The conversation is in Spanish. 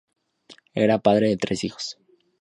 Era padre de tres hijos.